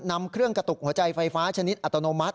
นำเครื่องกระตุกหัวใจไฟฟ้าชนิดอัตโนมัติ